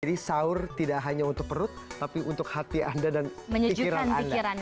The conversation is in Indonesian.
sahur tidak hanya untuk perut tapi untuk hati anda dan pikiran anda